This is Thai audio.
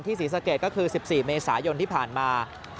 ศรีสะเกดก็คือ๑๔เมษายนที่ผ่านมา